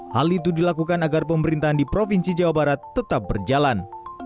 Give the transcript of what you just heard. hal itu dilakukan agar pemerintahan di provinsi jawa barat tetap berjalan